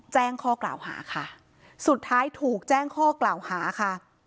แจ้งข้อกล่าวหาค่ะสุดท้ายถูกแจ้งข้อกล่าวหาค่ะ